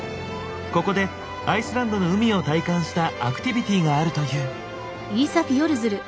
ここでアイスランドの海を体感したアクティビティがあるという。